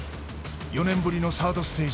４年ぶりのサードステージ。